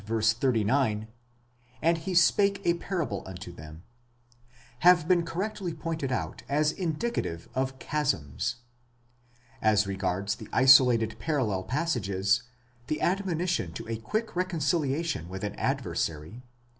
39, And he spake a parable unto them, have been correctly pointed out as indicative of chasms.?9 As regards the isolated parallel passages, the admonition to a quick recon ciliation with an adversary (v.